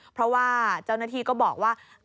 เพราะว่าเจ้าหน้าที่ก็บอกว่า